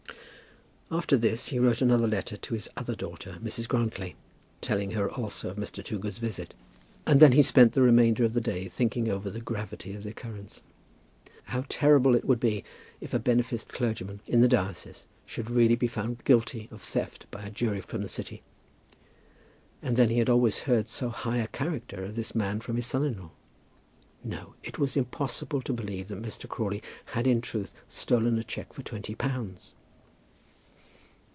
After this he wrote another letter to his other daughter, Mrs. Grantly, telling her also of Mr. Toogood's visit; and then he spent the remainder of the day thinking over the gravity of the occurrence. How terrible would it be if a beneficed clergyman in the diocese should really be found guilty of theft by a jury from the city! And then he had always heard so high a character of this man from his son in law. No, it was impossible to believe that Mr. Crawley had in truth stolen a cheque for twenty pounds!